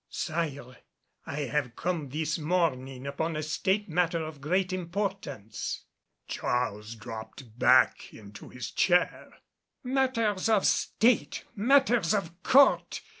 "Sire, I have come this morning upon a State matter of great importance." Charles dropped back into his chair. "Matters of State! Matters of Court!